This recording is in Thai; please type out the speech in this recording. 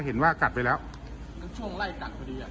เห็นว่ากัดไปแล้วก็ช่วงไล่กัดพอดีอ่ะ